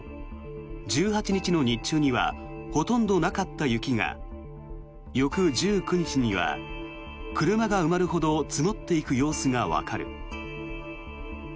１８日の日中にはほとんどなかった雪が翌１９日には、車が埋まるほど積もっていく様子がわかる。